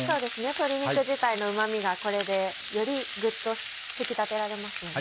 鶏肉自体のうまみがこれでよりグッと引き立てられますよね。